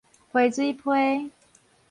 批水批